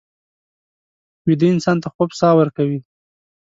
ویده انسان ته خوب ساه ورکوي